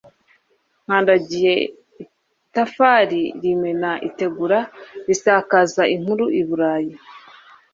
nkandagiye itafari rimena itegura risakaza inkuru i burayi